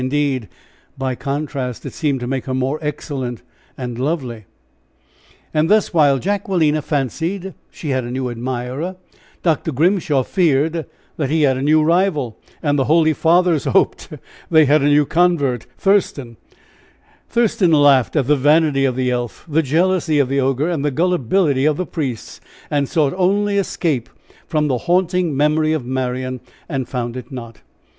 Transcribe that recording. Indeed, by contrast, it seemed to make her more excellent and lovely. And thus, while Jacquelina fancied she had a new admirer, Dr. Grimshaw feared that he had a new rival, and the holy fathers hoped they had a new convert Thurston laughed at the vanity of the elf, the jealousy of the Ogre, and the gullibility of the priests and sought only escape from the haunting memory of Marian, and found it not.